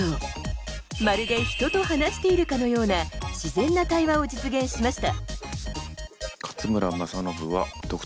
まるで人と話しているかのような自然な対話を実現しました。